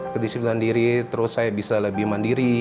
kedisiplinan diri terus saya bisa lebih mandiri